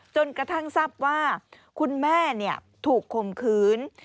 จนกระทั่งทราบว่าคุณแม่ถูกคมคืน